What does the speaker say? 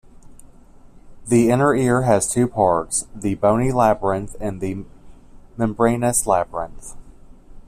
The inner ear has two parts: the bony labyrinth and the membranous labyrinth.